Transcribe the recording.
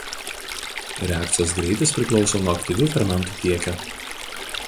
Reakcijos greitis priklauso nuo aktyvių fermentų kiekio.